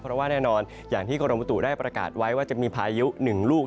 เพราะว่าแน่นอนอย่างที่กรมบุตุได้ประกาศไว้ว่าจะมีพายุหนึ่งลูก